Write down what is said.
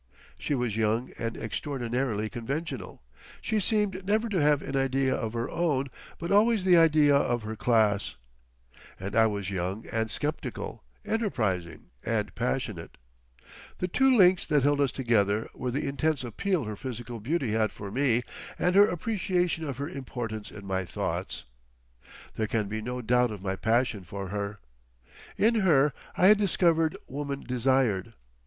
She was young and extraordinarily conventional—she seemed never to have an idea of her own but always the idea of her class—and I was young and sceptical, enterprising and passionate; the two links that held us together were the intense appeal her physical beauty had for me, and her appreciation of her importance in my thoughts. There can be no doubt of my passion for her. In her I had discovered woman desired.